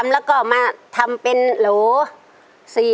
แล้วก็มาทำเป็นโหล